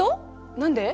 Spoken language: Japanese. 何で？